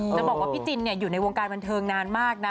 จะบอกว่าพี่จินอยู่ในวงการบันเทิงนานมากนะ